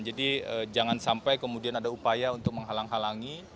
jadi jangan sampai kemudian ada upaya untuk menghalang halangi